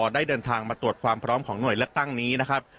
ได้เดินทางมาตรวจความพร้อมของหน่วยเลือกตั้งนี้นะครับ